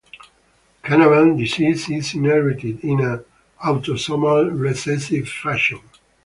Canavan disease is inherited in an autosomal recessive fashion.